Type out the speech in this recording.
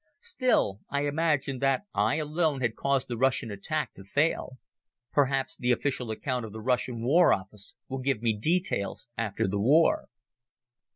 Still I imagined that I alone had caused the Russian attack to fail. Perhaps the official account of the Russian War Office will give me details after the war.